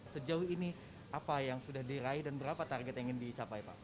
sejauh ini apa yang sudah diraih dan berapa target yang ingin dicapai pak